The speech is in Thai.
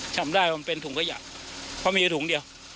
จำได้ว่ามันเป็นถุงขยะเพราะมีถุงเดียว